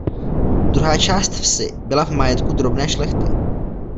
Druhá část vsi byla v majetku drobné šlechty.